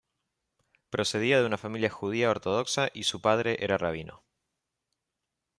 Procedía de una familia judía ortodoxa y su padre era rabino.